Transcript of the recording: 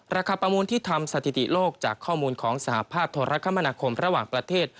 ประมูลที่ทำสถิติโลกจากข้อมูลของสหภาพโทรคมนาคมระหว่างประเทศ